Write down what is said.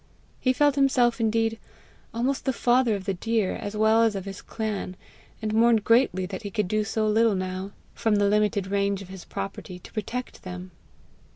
He felt himself indeed almost the father of the deer as well as of his clan, and mourned greatly that he could do so little now, from the limited range of his property, to protect them.